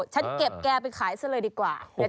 ฉันเก็บแกไปขายซะเลยดีกว่า